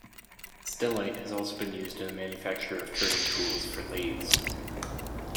Stellite has also been used in the manufacture of turning tools for lathes.